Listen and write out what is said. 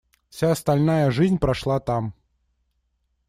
Вся остальная жизнь прошла там.